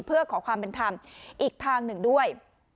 เพื่อขอความเป็นธรรมอีกทางหนึ่งด้วย